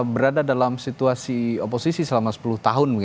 berada dalam situasi oposisi selama sepuluh tahun